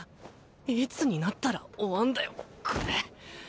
いつになったら終わんだよこれ。